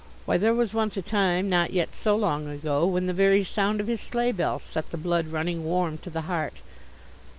Why, there was once a time, not yet so long ago, when the very sound of his sleigh bells sent the blood running warm to the heart.